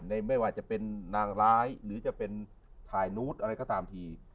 ไม่ว่าจะเป็นนางร้ายหรือจะเป็นถ่ายนูตอะไรก็ตามที